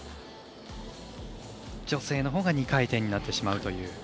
女性のほうが２回転になってしまうという。